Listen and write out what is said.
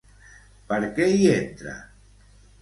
Per què hi entra?